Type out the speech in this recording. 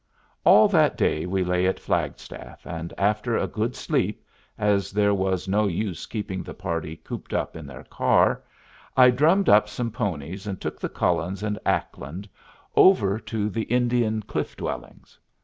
All that day we lay at Flagstaff, and after a good sleep, as there was no use keeping the party cooped up in their car, I drummed up some ponies and took the Cullens and Ackland over to the Indian cliff dwellings.